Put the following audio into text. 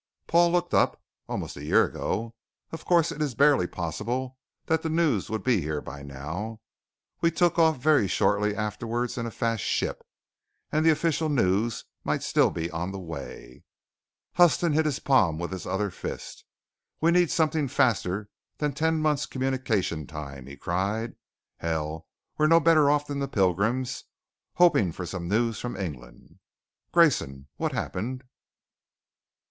Paul looked up. "Almost a year ago. Of course, it is barely possible that the news would be here by now. We took off very shortly afterwards in a fast ship, and the official news might be still on the way." Huston hit his palm with his other fist. "We need something faster than ten months communication time!" he cried. "Hell! We're no better off than the Pilgrims, hoping for some news from England. Grayson, what happened?"